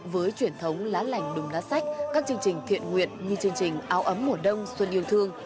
với truyền thống lá lành đùm lá sách các chương trình thiện nguyện như chương trình áo ấm mùa đông xuân yêu thương